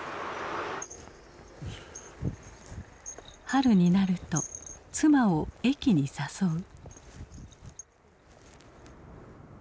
春になると妻を駅に誘う。